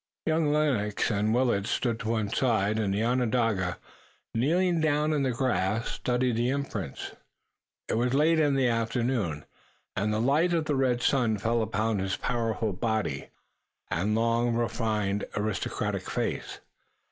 Young Lennox and Willet stood to one side, and the Onondaga, kneeling down in the grass, studied the imprints. It was late in the afternoon, and the light of the red sun fell upon his powerful body, and long, refined, aristocratic face.